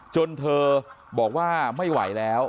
จนเธอบอกว่าไม่ไหวแล้ว